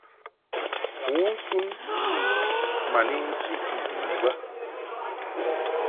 Kǔnsun ma ni nchiʼ ndɨ bə.